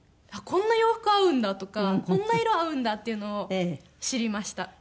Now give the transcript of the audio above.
こんな洋服合うんだとかこんな色合うんだっていうのを知りました。